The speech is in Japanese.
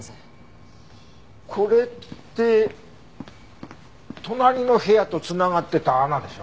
これって隣の部屋と繋がってた穴でしょ？